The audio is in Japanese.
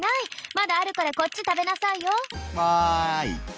まだあるからこっち食べなさいよ。わい！